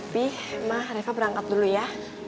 bi ma reva berangkat dulu ya